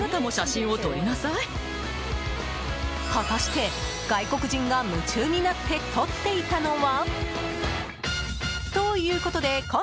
果たして、外国人が夢中になって撮っていたのは？